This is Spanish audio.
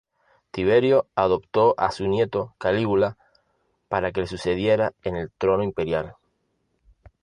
Tiberio adoptó a su nieto Calígula para que le sucediera en el trono imperial.